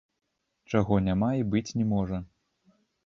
Чаго няма і быць не можа.